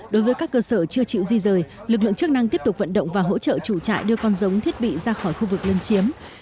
đối với các cơ sở chưa chịu di rời lực lượng chức năng tiếp tục vận động và hỗ trợ chủ trại đưa con giống thiết bị ra khỏi khu vực lân chiếm